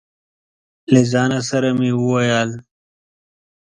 له ځانه سره مې وويل: